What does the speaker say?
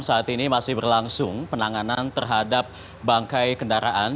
saat ini masih berlangsung penanganan terhadap bangkai kendaraan